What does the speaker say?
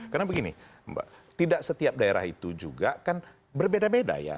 karena begini tidak setiap daerah itu juga kan berbeda beda ya